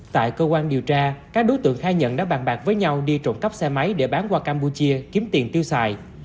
tại cơ quan điều tra các đối tượng khai nhận đã bàn bạc với nhau đi trộm cắp xe máy để bán qua campuchia kiếm tiền tiêu xài